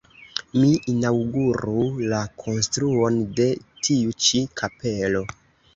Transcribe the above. Ne inaŭguru la konstruon de tiu ĉi kapelo!